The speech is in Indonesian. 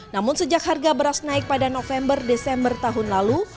namun sejak harga beras naik pada november desember tahun lalu